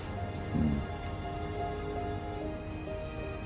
うん。